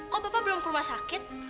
kok bapak belum ke rumah sakit